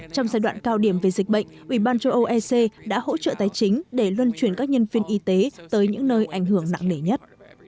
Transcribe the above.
trong giai đoạn cao điểm về dịch bệnh ủy ban châu âu ec đã hỗ trợ tài chính để luân chuyển các nhân viên y tế tới những nơi ảnh hưởng nặng nề nhất